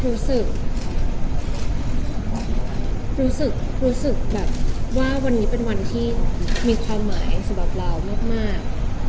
รู้สึกรู้สึกแบบว่าวันนี้เป็นวันที่มีความหมายสำหรับเรามาก